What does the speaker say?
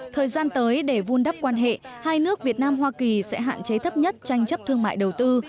thời gian tới để vun đắp quan hệ hai nước việt nam hoa kỳ sẽ hạn chế thấp nhất tranh chấp thương mại đầu tư